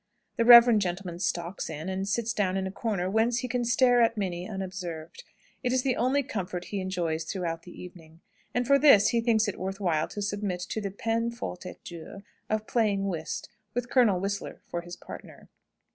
The reverend gentleman stalks in, and sits down in a corner, whence he can stare at Minnie unobserved. It is the only comfort he enjoys throughout the evening. And for this he thinks it worth while to submit to the peine forte et dure of playing whist, with Colonel Whistler for his partner.